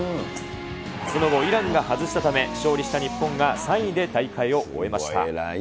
その後、イランが外したため、勝利した日本が３位で大会を終えました。